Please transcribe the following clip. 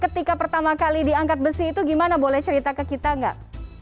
ketika pertama kali di angkat besi itu gimana boleh cerita ke kita enggak